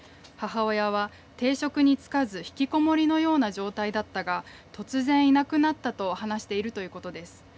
母親は定職に就かず、ひきこもりのような状態だったが突然いなくなったと話しているということです。